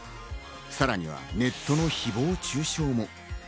さらにはネットの誹謗中傷も。